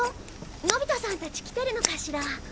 のび太さんたち来てるのかしら？